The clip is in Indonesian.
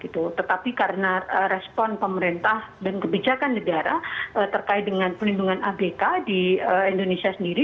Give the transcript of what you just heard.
tetapi karena respon pemerintah dan kebijakan negara terkait dengan pelindungan abk di indonesia sendiri